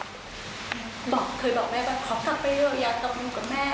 เธอบอกแม่ว่าเขาทำไปเรื่องอย่างตรงนี้กับแม่